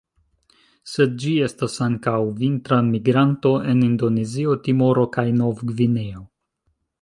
Sed ĝi estas ankaŭ vintra migranto en Indonezio, Timoro kaj Nov-Gvineo.